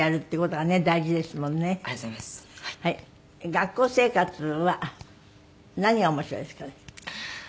学校生活は何が面白いですかね。